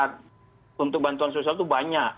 sumber data untuk bantuan sosial itu banyak